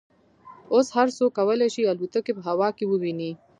اوس هر څوک کولای شي الوتکې په هوا کې وویني